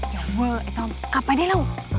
อย่าเวอร์ไอ้ต้อมกลับไปได้ลูก